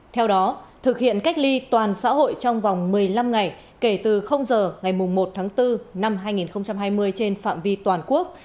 theo đó thực hiện cách ly toàn xã hội trong vòng một mươi năm ngày kể từ giờ ngày một tháng bốn năm hai nghìn hai mươi trên phạm vi toàn quốc